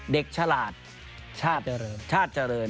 เด็กฉลาดชาติเจริญ